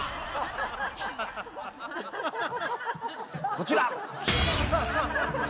こちら。